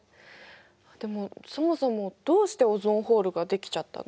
でもそもそもどうしてオゾンホールが出来ちゃったの？